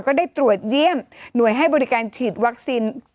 ก็ได้ตรวจเยี่ยมหน่วยให้บริการฉีดวัคซีน